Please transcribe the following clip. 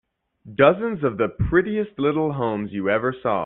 Dozens of the prettiest little homes you ever saw.